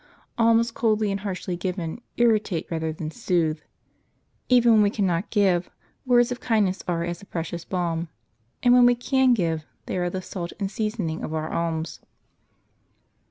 Alms coldly and harshly given irritate rather than soothe. Even when we cannot give, words of kindness are as a precious balm ; and when we can give, they are the salt and seasoning of our alms.